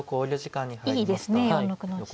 いいですね４六の地点は。